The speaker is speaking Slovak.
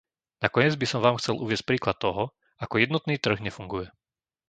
Nakoniec by som vám chcel uviesť príklad toho, ako jednotný trh nefunguje.